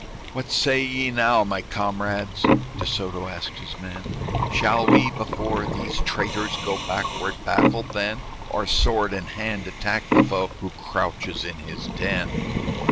"What say ye now, my comrades?" De Soto asked his men; "Shall we, before these traitors, Go backward, baffled, then; Or, sword in hand, attack the foe Who crouches in his den?"